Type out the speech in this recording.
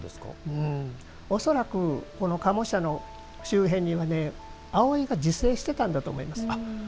うーん、恐らくこの賀茂社の周辺には葵が自生してたんだと思います。